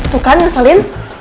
tuh kan ngeselin